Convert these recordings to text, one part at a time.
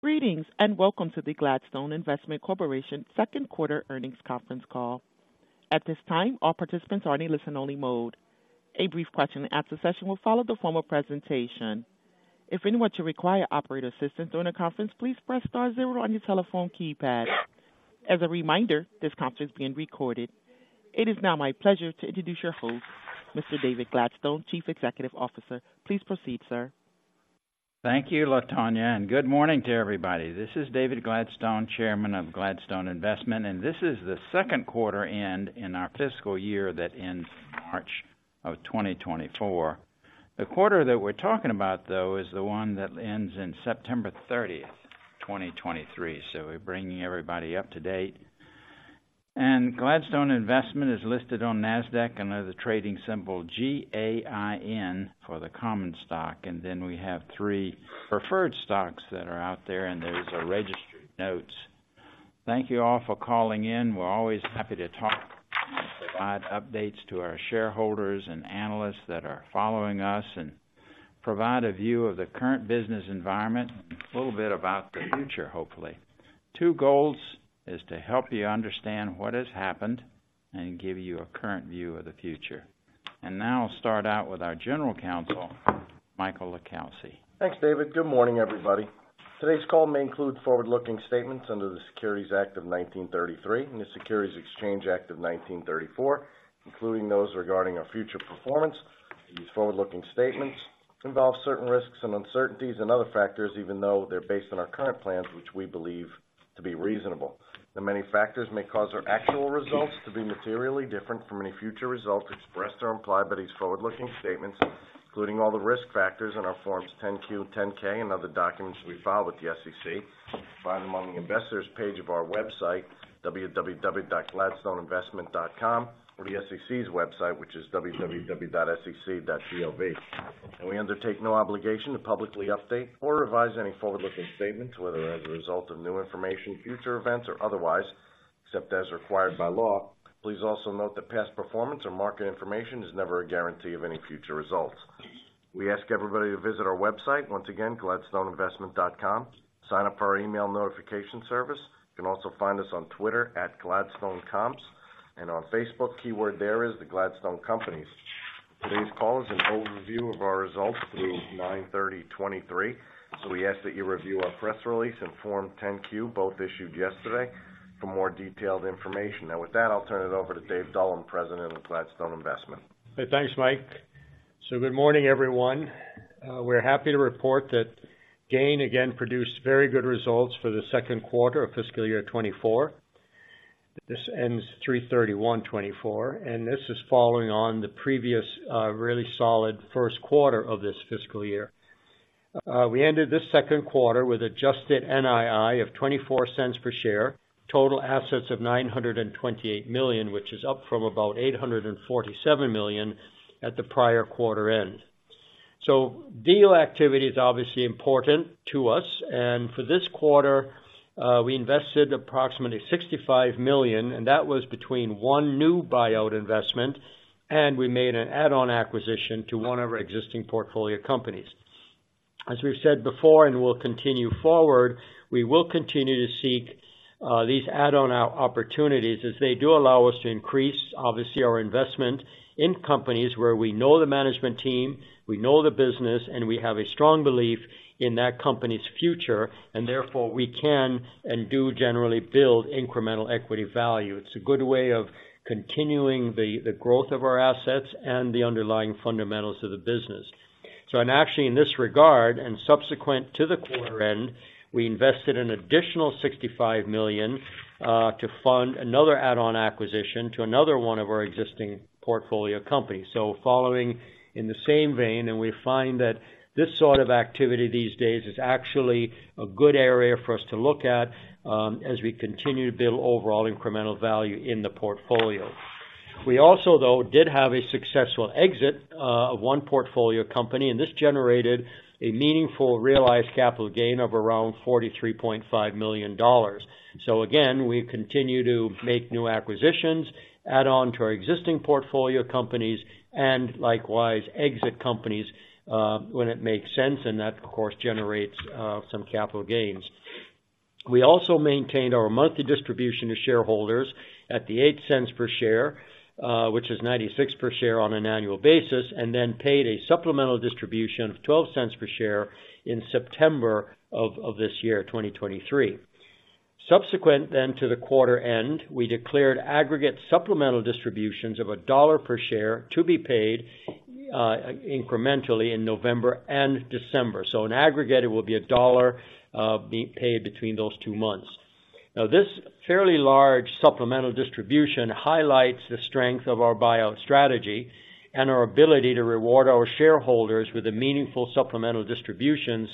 Greetings, and welcome to the Gladstone Investment Corporation second quarter earnings conference call. At this time, all participants are in a listen-only mode. A brief question-and-answer session will follow the formal presentation. If anyone should require operator assistance during the conference, please press star zero on your telephone keypad. As a reminder, this conference is being recorded. It is now my pleasure to introduce your host, Mr. David Gladstone, Chief Executive Officer. Please proceed, sir. Thank you, Latonya, and good morning to everybody. This is David Gladstone, Chairman of Gladstone Investment, and this is the second quarter end in our fiscal year that ends March of 2024. The quarter that we're talking about, though, is the one that ends in September 30th, 2023. So we're bringing everybody up to date. Gladstone Investment is listed on Nasdaq under the trading symbol GAIN for the common stock. Then we have three preferred stocks that are out there, and those are registered notes. Thank you all for calling in. We're always happy to talk and provide updates to our shareholders and analysts that are following us, and provide a view of the current business environment and a little bit about the future, hopefully. Two goals is to help you understand what has happened and give you a current view of the future. And now I'll start out with our General Counsel, Michael LiCalsi. Thanks, David. Good morning, everybody. Today's call may include forward-looking statements under the Securities Act of 1933 and the Securities Exchange Act of 1934, including those regarding our future performance. These forward-looking statements involve certain risks and uncertainties and other factors, even though they're based on our current plans, which we believe to be reasonable. The many factors may cause our actual results to be materially different from any future results expressed or implied by these forward-looking statements, including all the risk factors in our Forms 10-Q, 10-K and other documents we file with the SEC. Find them on the Investors page of our website, www.gladstoneinvestment.com, or the SEC's website, which is www.sec.gov. We undertake no obligation to publicly update or revise any forward-looking statements, whether as a result of new information, future events, or otherwise, except as required by law. Please also note that past performance or market information is never a guarantee of any future results. We ask everybody to visit our website, once again, gladstoneinvestment.com. Sign up for our email notification service. You can also find us on Twitter, @GladstoneComps, and on Facebook. Keyword there is the Gladstone Companies. Today's call is an overview of our results through 9/30/2023, so we ask that you review our press release and Form 10-Q, both issued yesterday, for more detailed information. Now, with that, I'll turn it over to Dave Dullum, President of Gladstone Investment. Hey, thanks, Mike. So good morning, everyone. We're happy to report that GAIN again produced very good results for the second quarter of fiscal year 2024. This ends 3/31/2024, and this is following on the previous, really solid first quarter of this fiscal year. We ended this second quarter with adjusted NII of $0.24 per share, total assets of $928 million, which is up from about $847 million at the prior quarter end. So deal activity is obviously important to us, and for this quarter, we invested approximately $65 million, and that was between one new buyout investment, and we made an add-on acquisition to one of our existing portfolio companies. As we've said before, and we'll continue forward, we will continue to seek these add-on opportunities as they do allow us to increase, obviously, our investment in companies where we know the management team, we know the business, and we have a strong belief in that company's future, and therefore we can and do generally build incremental equity value. It's a good way of continuing the growth of our assets and the underlying fundamentals of the business. So and actually, in this regard, and subsequent to the quarter end, we invested an additional $65 million to fund another add-on acquisition to another one of our existing portfolio companies. So following in the same vein, and we find that this sort of activity these days is actually a good area for us to look at as we continue to build overall incremental value in the portfolio. We also, though, did have a successful exit of one portfolio company, and this generated a meaningful realized capital gain of around $43.5 million. So again, we continue to make new acquisitions, add on to our existing portfolio companies, and likewise, exit companies when it makes sense, and that, of course, generates some capital gains. We also maintained our monthly distribution to shareholders at $0.08 per share, which is $0.96 per share on an annual basis, and then paid a supplemental distribution of $0.12 per share in September of this year, 2023. Subsequent then to the quarter end, we declared aggregate supplemental distributions of $1 per share to be paid incrementally in November and December. So in aggregate, it will be $1 being paid between those two months. Now, this fairly large supplemental distribution highlights the strength of our buyout strategy and our ability to reward our shareholders with a meaningful supplemental distributions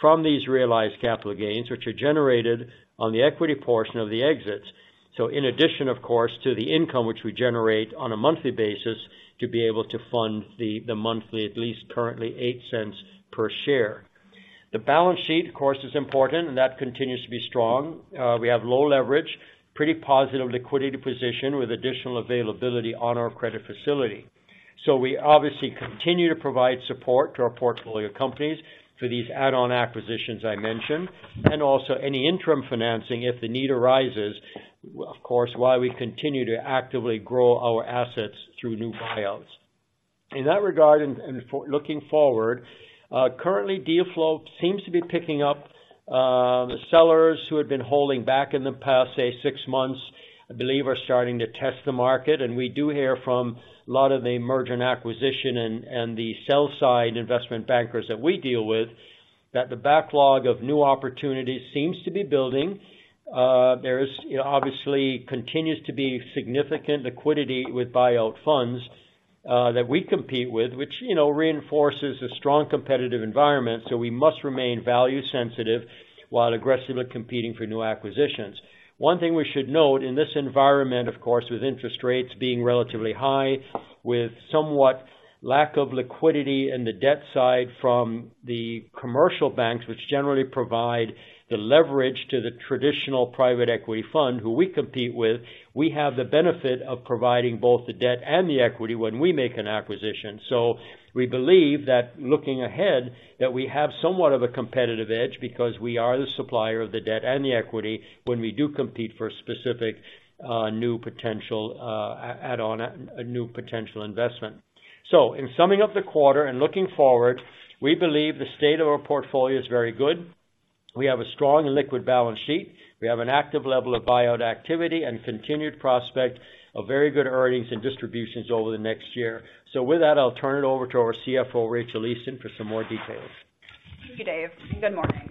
from these realized capital gains, which are generated on the equity portion of the exits. So in addition, of course, to the income which we generate on a monthly basis to be able to fund the monthly, at least currently $0.08 per share. The balance sheet, of course, is important, and that continues to be strong. We have low leverage, pretty positive liquidity position with additional availability on our credit facility. So we obviously continue to provide support to our portfolio companies for these add-on acquisitions I mentioned, and also any interim financing if the need arises. Of course, while we continue to actively grow our assets through new buyouts. In that regard, and for looking forward, currently, deal flow seems to be picking up. The sellers who had been holding back in the past, say, six months, I believe, are starting to test the market, and we do hear from a lot of the merger and acquisition and the sell-side investment bankers that we deal with, that the backlog of new opportunities seems to be building. There is, you know, obviously continues to be significant liquidity with buyout funds, that we compete with, which, you know, reinforces a strong competitive environment. So we must remain value sensitive while aggressively competing for new acquisitions. One thing we should note in this environment, of course, with interest rates being relatively high, with somewhat lack of liquidity in the debt side from the commercial banks, which generally provide the leverage to the traditional private equity fund who we compete with, we have the benefit of providing both the debt and the equity when we make an acquisition. So we believe that looking ahead, that we have somewhat of a competitive edge because we are the supplier of the debt and the equity when we do compete for a specific new potential add-on new potential investment. So in summing up the quarter and looking forward, we believe the state of our portfolio is very good. We have a strong and liquid balance sheet. We have an active level of buyout activity and continued prospect of very good earnings and distributions over the next year. With that, I'll turn it over to our CFO, Rachael Easton, for some more details. Thank you, Dave, and good morning.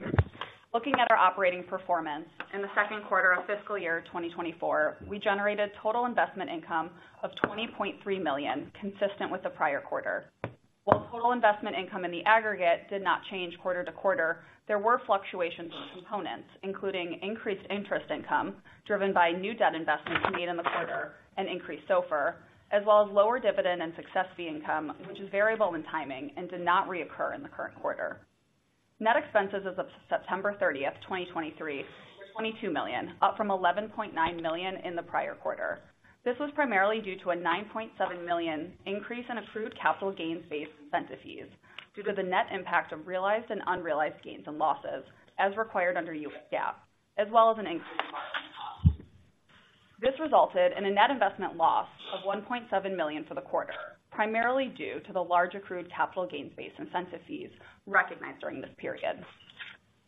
Looking at our operating performance in the second quarter of fiscal year 2024, we generated total investment income of $20.3 million, consistent with the prior quarter. While total investment income in the aggregate did not change quarter to quarter, there were fluctuations in components, including increased interest income, driven by new debt investments made in the quarter and increased SOFR, as well as lower dividend and success fee income, which is variable in timing and did not reoccur in the current quarter. Net expenses as of September 30, 2023, were $22 million, up from $11.9 million in the prior quarter. This was primarily due to a $9.7 million increase in accrued capital gains-based incentive fees due to the net impact of realized and unrealized gains and losses, as required under US GAAP, as well as an increase in borrowing costs. This resulted in a net investment loss of $1.7 million for the quarter, primarily due to the large accrued capital gains-based incentive fees recognized during this period.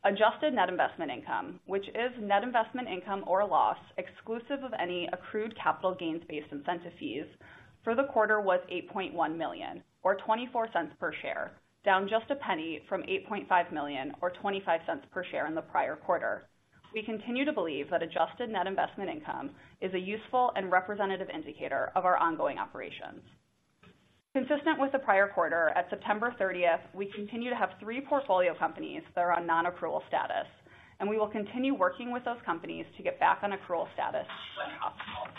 Adjusted net investment income, which is net investment income or loss, exclusive of any accrued capital gains-based incentive fees for the quarter, was $8.1 million or $0.24 per share, down just 1 cent from $8.5 million, or $0.25 per share in the prior quarter. We continue to believe that adjusted net investment income is a useful and representative indicator of our ongoing operations. Consistent with the prior quarter, at September 30th, we continue to have three portfolio companies that are on non-accrual status, and we will continue working with those companies to get back on accrual status when optimal.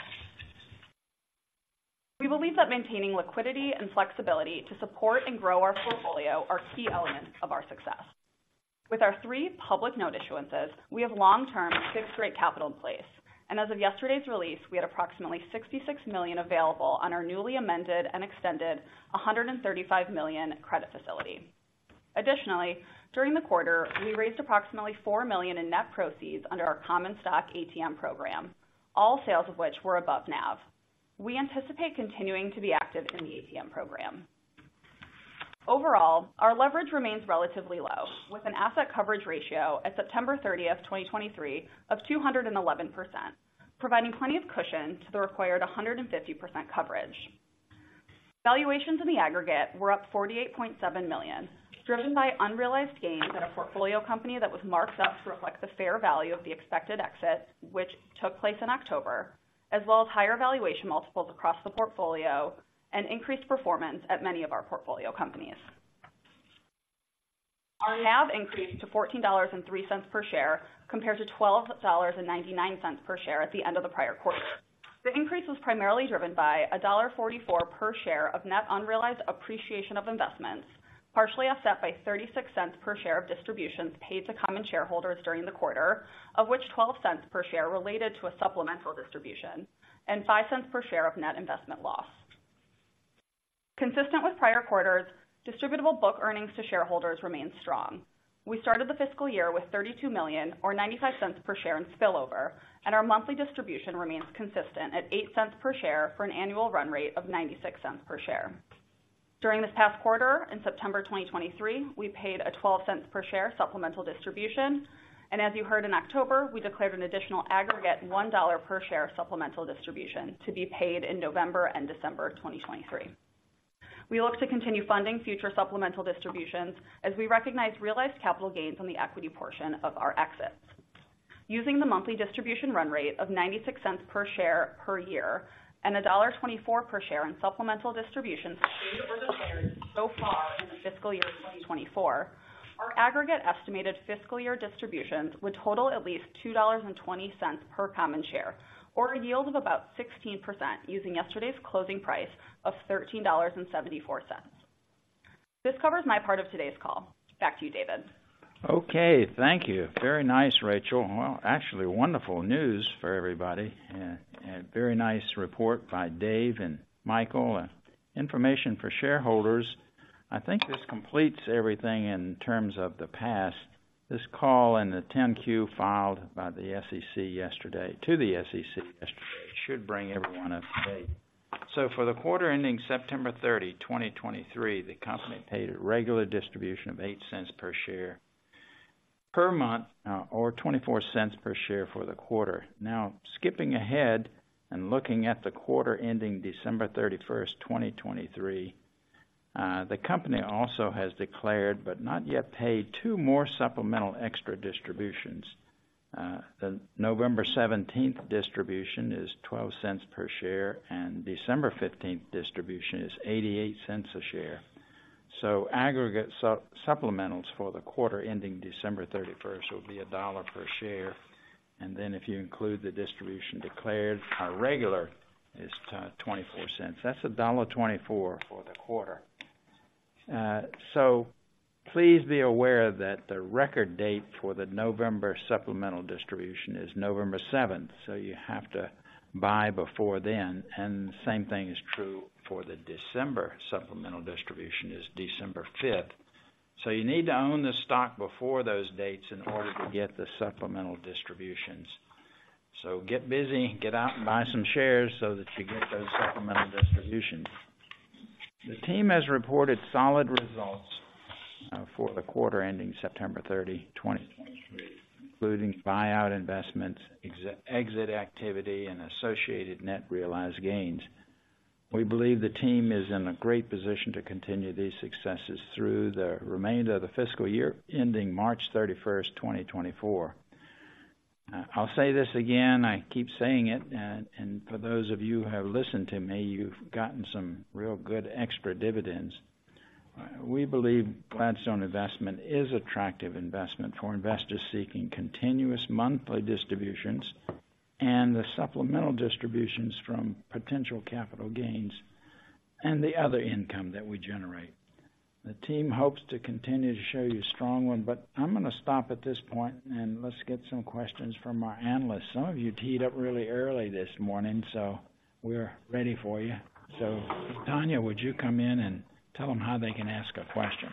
We believe that maintaining liquidity and flexibility to support and grow our portfolio are key elements of our success. With our three public note issuances, we have long-term fixed-rate capital in place, and as of yesterday's release, we had approximately $66 million available on our newly amended and extended $135 million credit facility. Additionally, during the quarter, we raised approximately $4 million in net proceeds under our common stock ATM program, all sales of which were above NAV. We anticipate continuing to be active in the ATM program. Overall, our leverage remains relatively low, with an asset coverage ratio at September 30, 2023 of 211%, providing plenty of cushion to the required 150% coverage. Valuations in the aggregate were up $48.7 million, driven by unrealized gains at a portfolio company that was marked up to reflect the fair value of the expected exits, which took place in October, as well as higher valuation multiples across the portfolio and increased performance at many of our portfolio companies. Our NAV increased to $14.03 per share, compared to $12.99 per share at the end of the prior quarter. The increase was primarily driven by $1.44 per share of net unrealized appreciation of investments, partially offset by $0.36 per share of distributions paid to common shareholders during the quarter, of which $0.12 per share related to a supplemental distribution and $0.05 per share of net investment loss. Consistent with prior quarters, distributable book earnings to shareholders remained strong. We started the fiscal year with $32 million or $0.95 per share in spillover, and our monthly distribution remains consistent at $0.08 per share for an annual run rate of $0.96 per share. During this past quarter, in September 2023, we paid a $0.12 per share supplemental distribution. As you heard in October, we declared an additional aggregate $1 per share supplemental distribution to be paid in November and December 2023. We look to continue funding future supplemental distributions as we recognize realized capital gains on the equity portion of our exits. Using the monthly distribution run rate of $0.96 per share per year, and $1.24 per share in supplemental distributions paid or declared so far in the fiscal year 2024, our aggregate estimated fiscal year distributions would total at least $2.20 per common share, or a yield of about 16% using yesterday's closing price of $13.74. This covers my part of today's call. Back to you, David. Okay, thank you. Very nice, Rachael. Well, actually, wonderful news for everybody and, and very nice report by Dave and Michael, and information for shareholders. I think this completes everything in terms of the past. This call and the 10-Q filed to the SEC yesterday should bring everyone up to date. For the quarter ending September 30, 2023, the company paid a regular distribution of $0.08 per share per month, or $0.24 per share for the quarter. Now, skipping ahead and looking at the quarter ending December 31, 2023, the company also has declared, but not yet paid, two more supplemental extra distributions. The November 17th distribution is $0.12 per share, and December 15th distribution is $0.88 a share. Aggregate supplementals for the quarter ending December 31 will be $1.00 per share. And then, if you include the distribution declared, our regular is $0.24. That's $1.24 for the quarter. So please be aware that the record date for the November supplemental distribution is November 7. So you have to buy before then, and the same thing is true for the December supplemental distribution, is December 5. So you need to own the stock before those dates in order to get the supplemental distributions. So get busy, get out and buy some shares so that you get those supplemental distributions. The team has reported solid results for the quarter ending September 30, 2023, including buyout investments, exit activity, and associated net realized gains. We believe the team is in a great position to continue these successes through the remainder of the fiscal year, ending March 31, 2024. I'll say this again, I keep saying it, and, and for those of you who have listened to me, you've gotten some real good extra dividends. We believe Gladstone Investment is attractive investment for investors seeking continuous monthly distributions and the supplemental distributions from potential capital gains and the other income that we generate. The team hopes to continue to show you a strong one, but I'm going to stop at this point and let's get some questions from our analysts. Some of you teed up really early this morning, so we're ready for you. So, Tanya, would you come in and tell them how they can ask a question?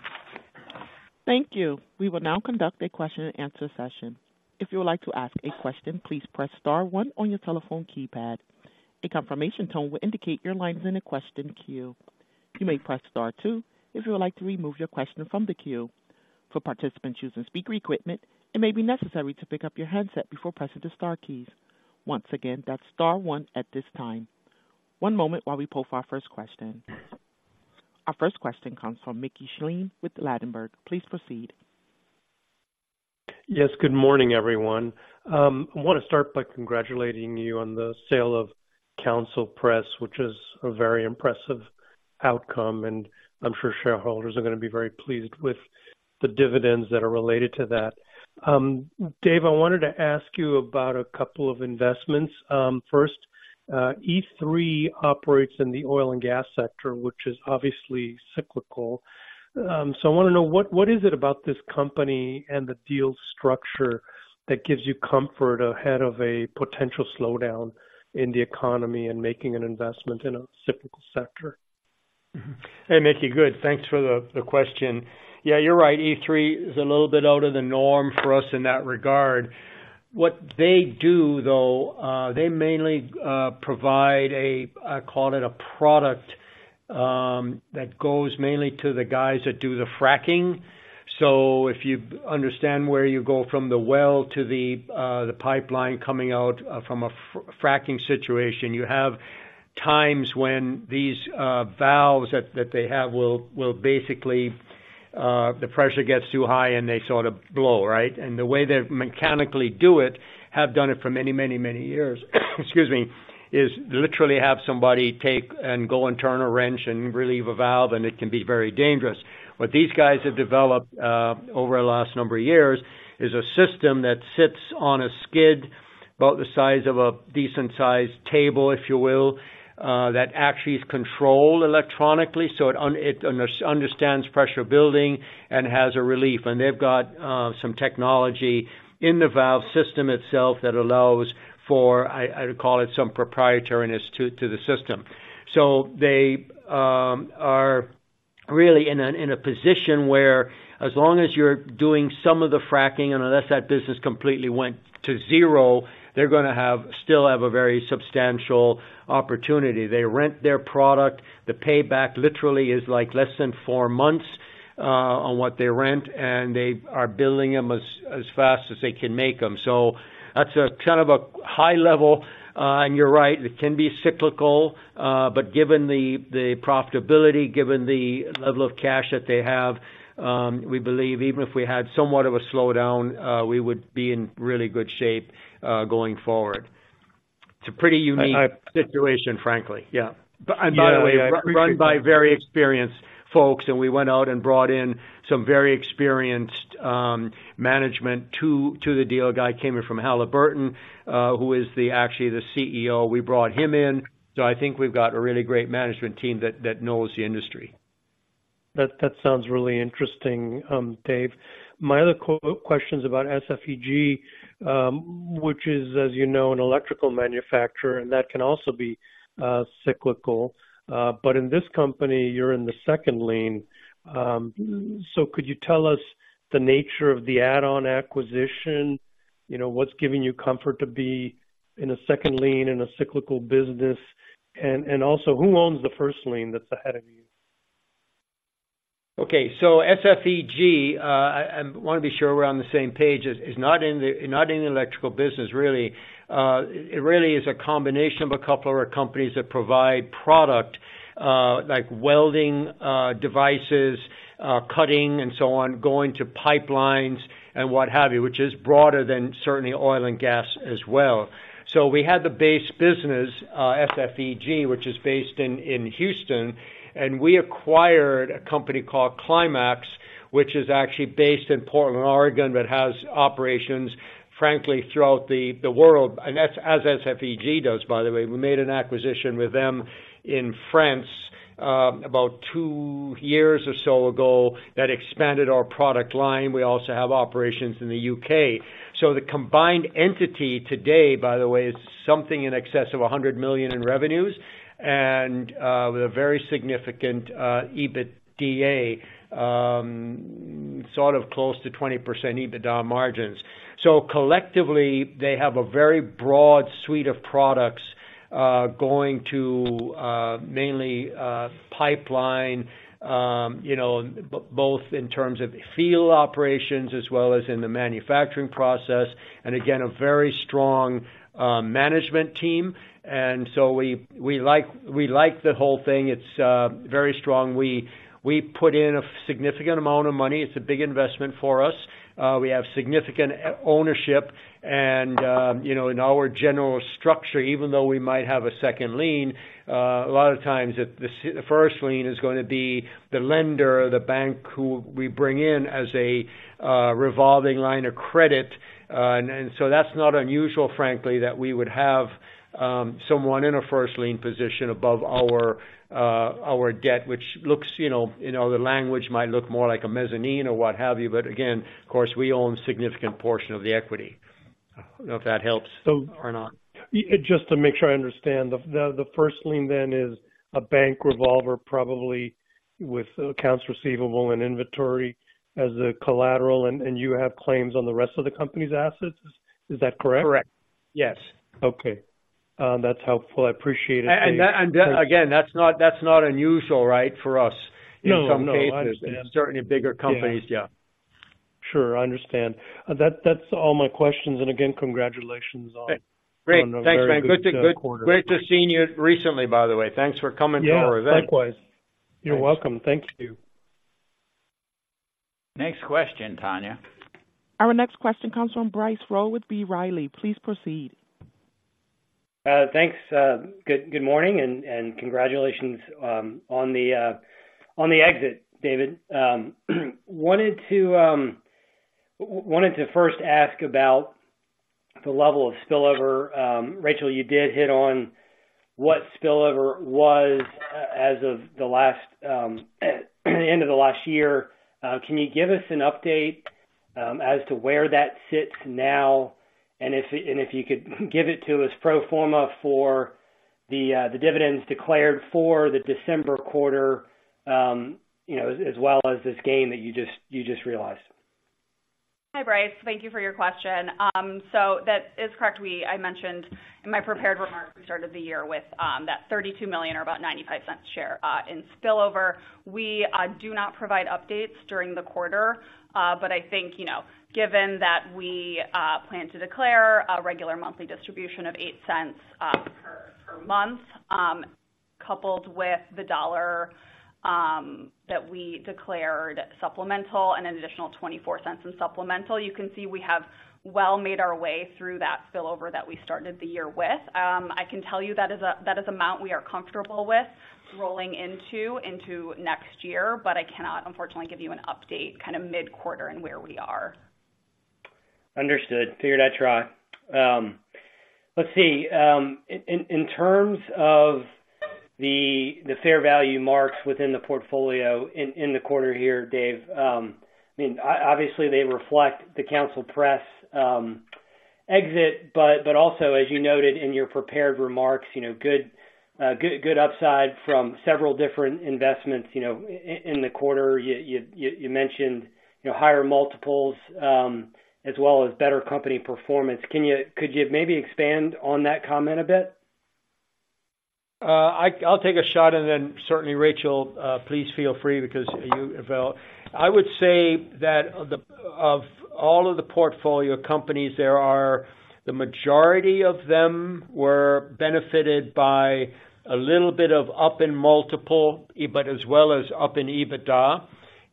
Thank you. We will now conduct a question and answer session. If you would like to ask a question, please press star one on your telephone keypad. A confirmation tone will indicate your line is in the question queue. You may press star two if you would like to remove your question from the queue. For participants using speaker equipment, it may be necessary to pick up your handset before pressing the star keys. Once again, that's star one at this time. One moment while we poll for our first question. Our first question comes from Mickey Schleien with Ladenburg. Please proceed. Yes, good morning, everyone. I want to start by congratulating you on the sale of Counsel Press, which is a very impressive outcome, and I'm sure shareholders are going to be very pleased with the dividends that are related to that. Dave, I wanted to ask you about a couple of investments. First, E3 operates in the oil and gas sector, which is obviously cyclical. So I want to know, what is it about this company and the deal structure that gives you comfort ahead of a potential slowdown in the economy and making an investment in a cyclical sector? Mm-hmm. Hey, Mickey. Good. Thanks for the question. Yeah, you're right, E3 is a little bit out of the norm for us in that regard. What they do, though, they mainly provide a, I call it a product, that goes mainly to the guys that do the fracking. So if you understand where you go from the well to the pipeline coming out from a fracking situation, you have times when these valves that they have will basically the pressure gets too high and they sort of blow, right? And the way they mechanically do it, have done it for many, many, many years, excuse me, is literally have somebody take and go and turn a wrench and relieve a valve, and it can be very dangerous. What these guys have developed over the last number of years is a system that sits on a skid about the size of a decent-sized table, if you will, that actually is controlled electronically, so it understands pressure building and has a relief. And they've got some technology in the valve system itself that allows for I would call it some proprietariness to the system. So they are really in a position where as long as you're doing some of the fracking and unless that business completely went to zero, they're gonna have still have a very substantial opportunity. They rent their product. The payback literally is like less than four months on what they rent, and they are building them as fast as they can make them. So that's a kind of a high level. And you're right, it can be cyclical, but given the, the profitability, given the level of cash that they have, we believe even if we had somewhat of a slowdown, we would be in really good shape, going forward. It's a pretty unique- Situation, frankly. Yeah. By the way- Run by very experienced folks, and we went out and brought in some very experienced management to the deal. A guy came in from Halliburton who is actually the CEO. We brought him in. So I think we've got a really great management team that knows the industry. That, that sounds really interesting, Dave. My other questions about SFEG, which is, as you know, an electrical manufacturer, and that can also be cyclical. But in this company, you're in the second lien. So could you tell us the nature of the add-on acquisition? You know, what's giving you comfort to be in a second lien in a cyclical business? And, and also, who owns the first lien that's ahead of you? Okay. So SFEG, I wanna be sure we're on the same page, is not in the electrical business, really. It really is a combination of a couple of our companies that provide product, like welding, devices, cutting, and so on, going to pipelines and what have you, which is broader than certainly oil and gas as well. So we had the base business, SFEG, which is based in Houston, and we acquired a company called Climax, which is actually based in Portland, Oregon, but has operations, frankly, throughout the world, and as SFEG does, by the way. We made an acquisition with them in France, about two years or so ago, that expanded our product line. We also have operations in the U.K. So the combined entity today, by the way, is something in excess of $100 million in revenues and, with a very significant, EBITDA, sort of close to 20% EBITDA margins. So collectively, they have a very broad suite of products, going to, mainly, pipeline, you know, both in terms of field operations as well as in the manufacturing process, and again, a very strong, management team. And so we, we like, we like the whole thing. It's, very strong. We, we put in a significant amount of money. It's a big investment for us. We have significant equity ownership and, you know, in our general structure, even though we might have a second lien, a lot of times the first lien is gonna be the lender or the bank who we bring in as a revolving line of credit. And so that's not unusual, frankly, that we would have someone in a first lien position above our debt, which looks, you know, the language might look more like a mezzanine or what have you, but again, of course, we own a significant portion of the equity. I don't know if that helps or not. Just to make sure I understand. The first lien then is a bank revolver, probably with accounts receivable and inventory as a collateral, and you have claims on the rest of the company's assets. Is that correct? Correct. Yes. Okay. That's helpful. I appreciate it. And again, that's not unusual, right, for us- No, no. In some cases, and certainly bigger companies. Yeah. Yeah. Sure. I understand. That, that's all my questions. And again, congratulations on- Great! On a very good quarter. Great to see you recently, by the way. Thanks for coming to our event. Yeah, likewise. Thanks. You're welcome. Thank you. Next question, Tanya. Our next question comes from Bryce Rowe with B. Riley. Please proceed. Thanks. Good morning and congratulations on the exit, David. Wanted to first ask about the level of spillover. Rachael, you did hit on what spillover was as of the end of the last year. Can you give us an update as to where that sits now? And if you could give it to us pro forma for the dividends declared for the December quarter, you know, as well as this gain that you just realized. Hi, Bryce. Thank you for your question. So that is correct. I mentioned in my prepared remarks, we started the year with that $32 million or about $0.95 per share in Spillover. We do not provide updates during the quarter, but I think, you know, given that we plan to declare a regular monthly distribution of $0.08 per month, coupled with the $1 that we declared supplemental and an additional $0.24 in supplemental, you can see we have well made our way through that Spillover that we started the year with. I can tell you that is an amount we are comfortable with rolling into next year, but I cannot unfortunately give you an update kind of mid-quarter in where we are. Understood. Figured I'd try. In terms of the fair value marks within the portfolio in the quarter here, Dave, I mean, obviously, they reflect the Council Press exit, but also as you noted in your prepared remarks, you know, good upside from several different investments, you know, in the quarter. You mentioned, you know, higher multiples as well as better company performance. Could you maybe expand on that comment a bit? I'll take a shot, and then certainly, Rachael, please feel free, because you as well. I would say that of the-- of all of the portfolio companies there are, the majority of them were benefited by a little bit of up in multiple, but as well as up in EBITDA.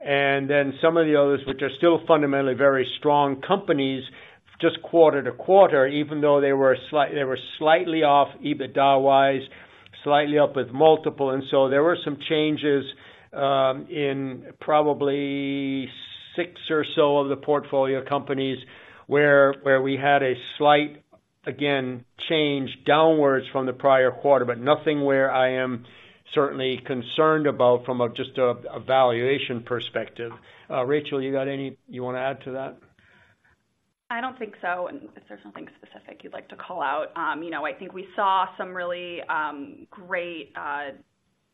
And then some of the others, which are still fundamentally very strong companies, just quarter to quarter, even though they were slight-- they were slightly off EBITDA-wise, slightly up with multiple. And so there were some changes, in probably six or so of the portfolio companies where, where we had a slight, again, change downwards from the prior quarter, but nothing where I am certainly concerned about from a, just a, a valuation perspective. Rachael, you got any you want to add to that? I don't think so. Unless there's something specific you'd like to call out. You know, I think we saw some really great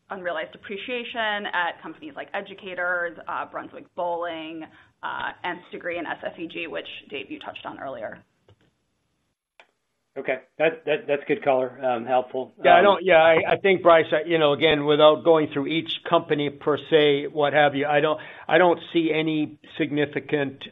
unrealized appreciation at companies like Educators, Brunswick Bowling, Nth Degree and SFEG, which, Dave, you touched on earlier. Okay, that's good color, helpful. Yeah, I don't—yeah, I, I think, Bryce, you know, again, without going through each company per se, what have you, I don't, I don't see any significant,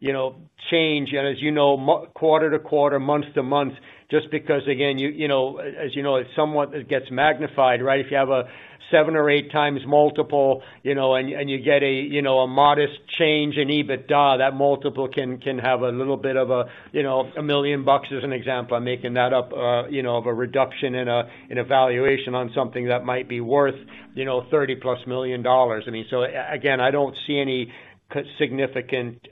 you know, change. And as you know, month-to-month quarter to quarter, month to month, just because, again, you, you know, as you know, it's somewhat it gets magnified, right? If you have a 7x or 8x multiple, you know, and you, and you get a, you know, a modest change in EBITDA, that multiple can, can have a little bit of a, you know, $1 million as an example. I'm making that up, you know, of a reduction in a, in a valuation on something that might be worth, you know, $30+ million. I mean, so again, I don't see any co...significant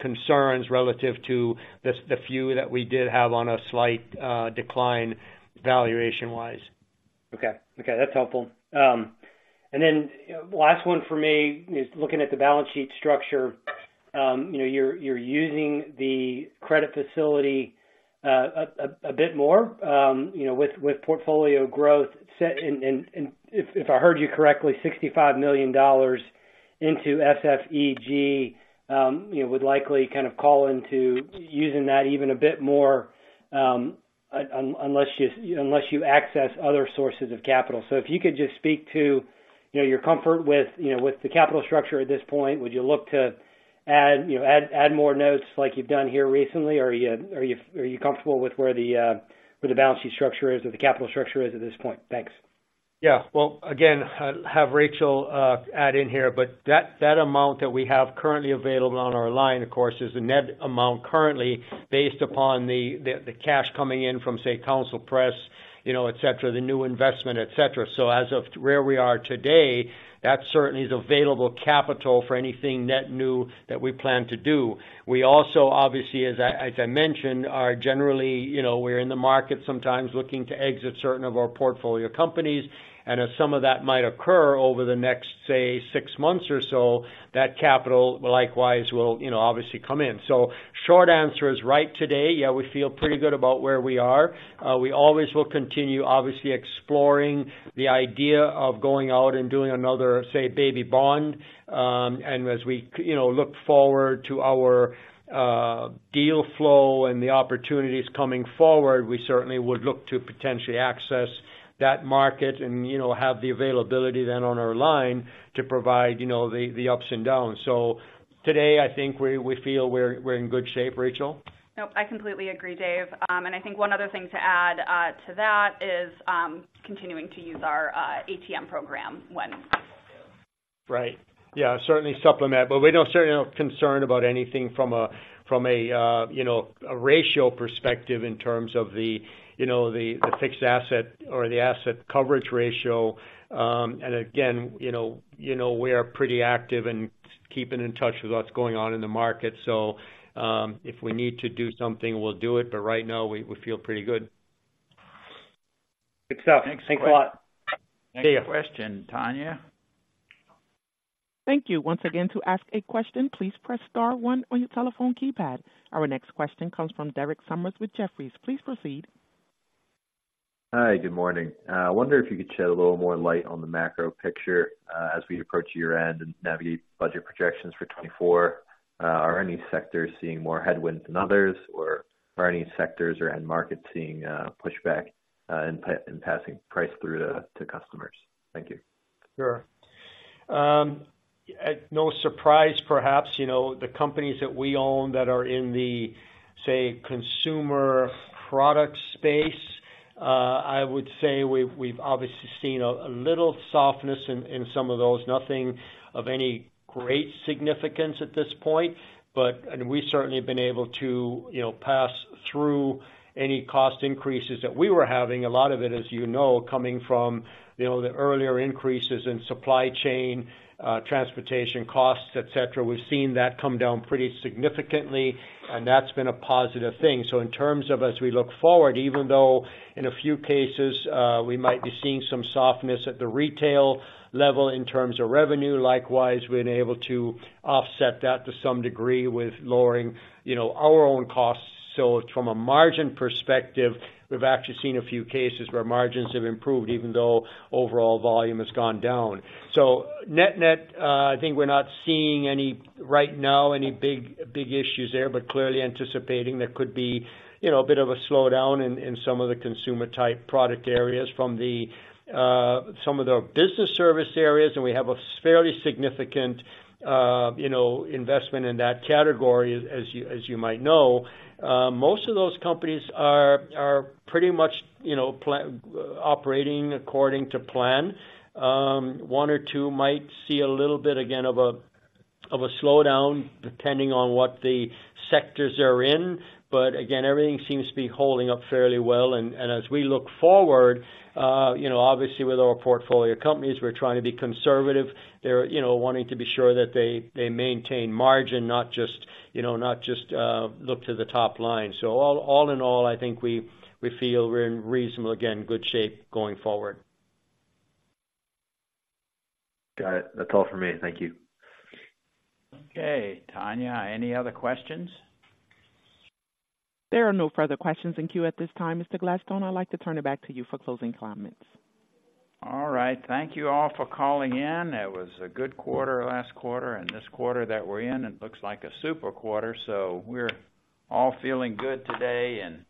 concerns relative to the few that we did have on a slight decline, valuation-wise. Okay. Okay, that's helpful. And then, last one for me is looking at the balance sheet structure. You know, you're using the credit facility a bit more, you know, with portfolio growth set and if I heard you correctly, $65 million into SFEG, you know, would likely kind of call into using that even a bit more, unless you access other sources of capital. So if you could just speak to, you know, your comfort with the capital structure at this point, would you look to add more notes like you've done here recently? Or are you comfortable with where the balance sheet structure is or the capital structure is at this point? Thanks. Yeah. Well, again, I'll have Rachael add in here, but that amount that we have currently available on our line, of course, is the net amount currently based upon the cash coming in from, say, Council Press, you know, et cetera, the new investment, et cetera. So as of to where we are today, that certainly is available capital for anything net new that we plan to do. We also, obviously, as I mentioned, are generally, you know, we're in the market sometimes looking to exit certain of our portfolio companies, and if some of that might occur over the next, say, six months or so, that capital likewise will, you know, obviously come in. So short answer is, right today, yeah, we feel pretty good about where we are. We always will continue, obviously, exploring the idea of going out and doing another, say, baby bond. And as we, you know, look forward to our deal flow and the opportunities coming forward, we certainly would look to potentially access that market and, you know, have the availability then on our line to provide, you know, the, the ups and downs. So today, I think we, we feel we're, we're in good shape. Rachael? Nope, I completely agree, Dave. I think one other thing to add to that is continuing to use our ATM program when. Right. Yeah, certainly supplement, but we're not certainly not concerned about anything from a, you know, a ratio perspective in terms of the, you know, the fixed asset or the Asset Coverage Ratio. And again, you know, we are pretty active in keeping in touch with what's going on in the market. So, if we need to do something, we'll do it, but right now we feel pretty good. Excellent. Thanks a lot. See you. Next question. Tanya? Thank you. Once again, to ask a question, please press star one on your telephone keypad. Our next question comes from Derek Sommers with Jefferies. Please proceed. Hi, good morning. I wonder if you could shed a little more light on the macro picture, as we approach year-end and navigate budget projections for 2024. Are any sectors seeing more headwinds than others, or are any sectors or end markets seeing pushback in passing price through to customers? Thank you. Sure. At no surprise, perhaps, you know, the companies that we own that are in the, say, consumer product space, I would say we've obviously seen a little softness in some of those. Nothing of any great significance at this point, but we've certainly been able to, you know, pass through any cost increases that we were having. A lot of it, as you know, coming from, you know, the earlier increases in supply chain, transportation costs, et cetera. We've seen that come down pretty significantly, and that's been a positive thing. So in terms of as we look forward, even though in a few cases, we might be seeing some softness at the retail level in terms of revenue, likewise, we've been able to offset that to some degree with lowering, you know, our own costs. So from a margin perspective, we've actually seen a few cases where margins have improved even though overall volume has gone down. So net-net, I think we're not seeing any, right now, any big, big issues there, but clearly anticipating there could be, you know, a bit of a slowdown in some of the consumer-type product areas from the some of the business service areas, and we have a fairly significant, you know, investment in that category, as you might know. Most of those companies are pretty much, you know, operating according to plan. One or two might see a little bit, again, of a slowdown, depending on what the sectors are in. But again, everything seems to be holding up fairly well. As we look forward, you know, obviously with our portfolio companies, we're trying to be conservative. They're, you know, wanting to be sure that they maintain margin, not just, you know, not just look to the top line. So, all in all, I think we feel we're in reasonable, again, good shape going forward. Got it. That's all for me. Thank you. Okay, Tanya, any other questions? There are no further questions in queue at this time, Mr. Gladstone. I'd like to turn it back to you for closing comments. All right. Thank you all for calling in. It was a good quarter last quarter, and this quarter that we're in, it looks like a super quarter, so we're all feeling good today and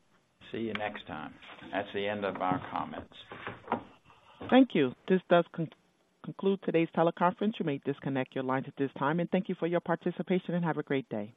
see you next time. That's the end of our comments. Thank you. This does conclude today's teleconference. You may disconnect your lines at this time, and thank you for your participation, and have a great day.